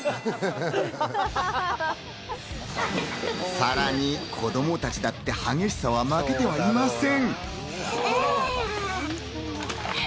さらに子供たちだって激しさは負けていません。